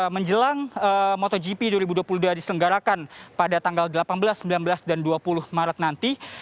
menjelang motogp dua ribu dua puluh dua diselenggarakan pada tanggal delapan belas sembilan belas dan dua puluh maret nanti